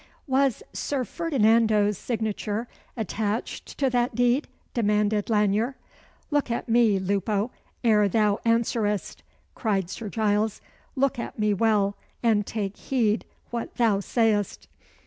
"Was Sir Ferdinando's signature attached to that deed?" demanded Lanyere. "Look at me, Lupo, ere thou answerest," cried Sir Giles. "Look at me well and take heed what thou say'st."